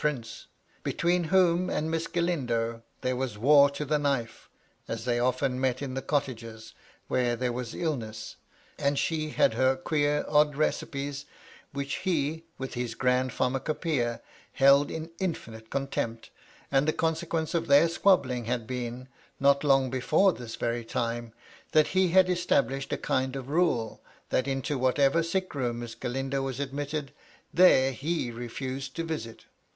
Prince, between whom and Miss Galindo there was war to the knife, as they often met in the cottages, when there was illness, and she had her queer, odd recipes, which he, with his grand pharmaco poeia, held in infinite contempt, and the consequence of their squabbling had been, not long before this very time, that he had established a kind of rule, that into whatever sick room Miss Galindo was admitted, there he refused to visit.